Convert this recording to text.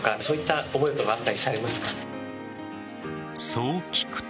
そう聞くと。